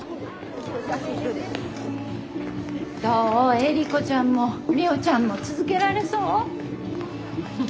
エリコちゃんもミホちゃんも続けられそう？